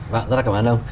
vâng rất là cảm ơn ông